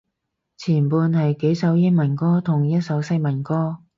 前半係幾首英文歌同一首西文歌